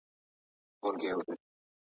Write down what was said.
د خرڅلاو عایدات د دولت خزانې ته تحویل شول.